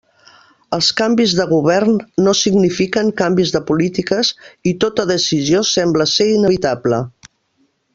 Els canvis de govern no signifiquen canvis de polítiques i tota decisió sembla ser inevitable.